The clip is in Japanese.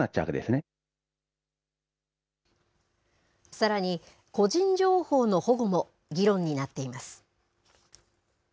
さらに、個人情報の保護も議論になっています。